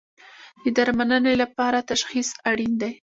د درملنې لپاره تشخیص اړین دی